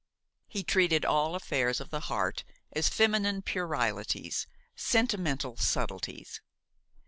He treated all affairs of the heart as feminine puerilities, sentimental subtleties.